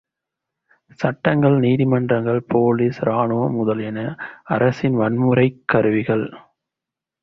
சட்டங்கள், நீதிமன்றங்கள், போலீஸ், ராணுவம் முதலியன அரசின் வன்முறைக் கருவிகள்.